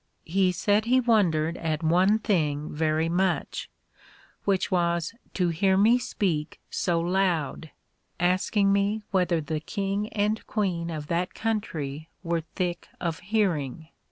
He said he wondered at one thing very much, which was to hear me speak so loud; asking me whether the king and queen of that country were thick of hearing?